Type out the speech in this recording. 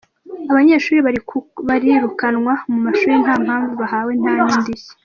Abanyeshuli barirukanwa mu mashuli nta mpamvu bahawe nta n’indishyi.